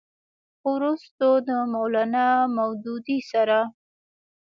خو وروستو د مولانا مودودي سره